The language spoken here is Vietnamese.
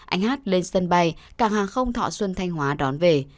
anh hát lên sân bay càng hàng không thọ xuân thanh hóa đón về